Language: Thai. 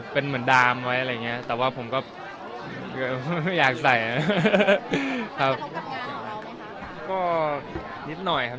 เป็นเหมือนดามไว้อะไรอย่างเงี้ยแต่ว่าผมก็ไม่อยากใส่นะครับก็นิดหน่อยครับ